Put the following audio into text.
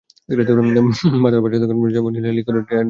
বাঁটে পাথর বসানো কামচিনের চাবুক লিক লিক করে ওঠে একজনের হাতে।